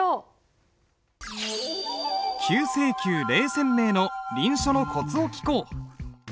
「九成宮醴泉銘」の臨書のコツを聞こう！